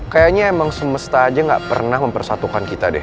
kayaknya emang semesta aja gak pernah mempersatukan kita deh